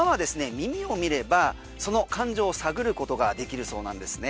耳を見ればその感情を探ることができるそうなんですね。